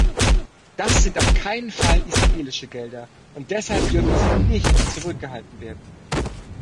Das sind auf keinen Fall israelische Gelder, und deshalb dürfen sie nicht zurückgehalten werden.